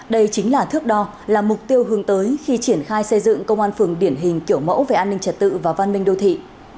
đây chính là thước đo là mục tiêu hướng tới khi triển khai xây dựng công an phường điển hình kiểu mẫu về an ninh trật tự và văn minh đô thị